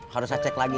harus saya cek lagi